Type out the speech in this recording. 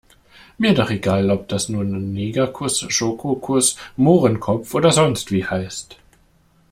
Mir doch egal, ob das nun Negerkuss, Schokokuss, Mohrenkopf oder sonstwie heißt.